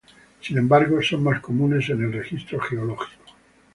Sin embargo, son más comunes en el registro geológico.